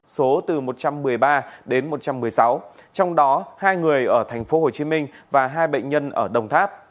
số từ một trăm một mươi ba đến một trăm một mươi sáu trong đó hai người ở tp hcm và hai bệnh nhân ở đồng tháp